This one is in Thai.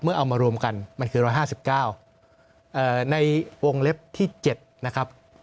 เอามารวมกันมันคือ๑๕๙ในวงเล็บที่๗นะครับ